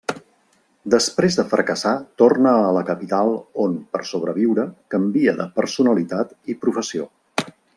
Després de fracassar torna a la capital on per sobreviure, canvia de personalitat i professió.